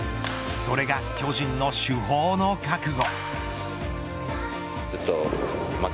それが巨人の主砲の覚悟。